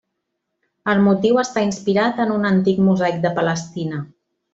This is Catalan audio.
El motiu està inspirat en un antic mosaic de Palestina.